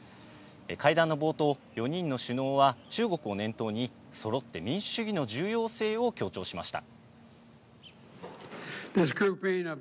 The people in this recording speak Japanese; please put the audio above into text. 会談の冒頭、４人の首脳は中国を念頭に、そろって民主主義の重要性を強調しました。